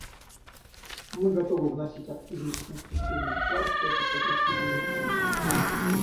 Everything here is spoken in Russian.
Мы готовы вносить активный и конструктивный вклад в эти прогрессивные усилия.